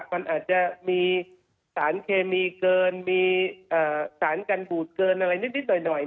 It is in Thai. มันอาจจะมีสารเคมีเกินมีสารกันบูดเกินอะไรนิดหน่อย